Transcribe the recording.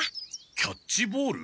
キャッチボール？